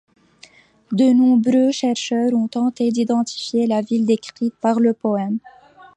De nombreux chercheurs ont tenté d'identifier la ville décrite par le poème.